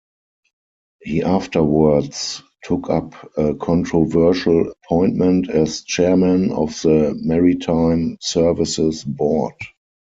He afterwards took up a controversial appointment as Chairman of the Maritime Services Board.